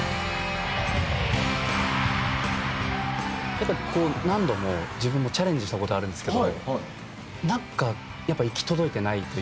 やっぱこう何度も自分もチャレンジした事あるんですけどなんかやっぱ行き届いてないというか。